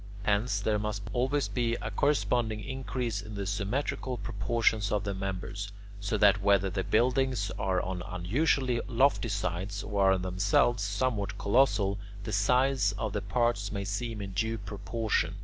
Hence there must always be a corresponding increase in the symmetrical proportions of the members, so that whether the buildings are on unusually lofty sites or are themselves somewhat colossal, the size of the parts may seem in due proportion.